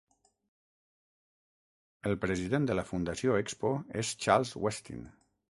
El president de la fundació Expo és Charles Westin.